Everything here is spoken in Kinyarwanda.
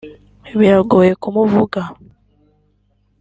Biragoye kumuvuga